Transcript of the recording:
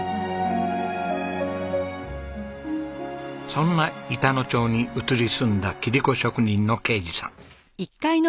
そんな板野町に移り住んだ切子職人の啓二さん。